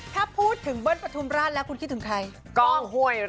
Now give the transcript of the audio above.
ถ้าพูดถึงเบิ้ลปฐุมราชแล้วคุณคิดถึงใคร